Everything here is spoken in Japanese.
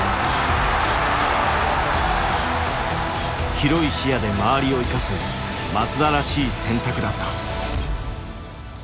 広い視野で周りを生かす松田らしい選択だった。